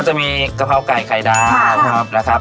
ก็จะมีกะเพราไก่ไข่ดาว